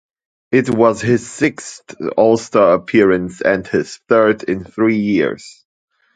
It was his sixth All-star appearance and his third in three years.